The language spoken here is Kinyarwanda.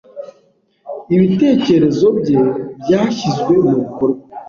Ibitekerezo bye byashyizwe mubikorwa.